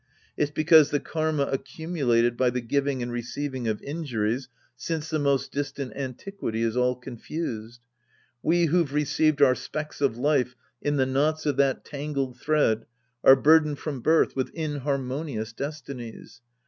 It's because the karma accumulated by the giving and receiving of injuries since the most distant antiquity is all confused. We who've received our specks of life in the knots of that tangled thread are burdened from birth with inhar monious destinies.